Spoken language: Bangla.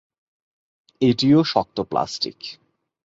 এটিও শক্ত প্লাস্টিক।